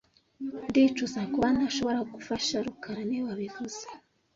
Ndicuza kuba ntashobora kugufasha rukara niwe wabivuze